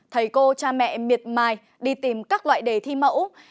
thầy cô cha mẹ miệt mài đi tìm các loại đề thi mẫu